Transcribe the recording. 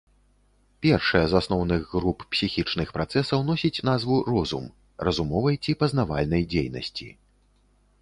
Першая з асноўных груп псіхічных працэсаў носіць назву розум, разумовай ці пазнавальнай дзейнасці.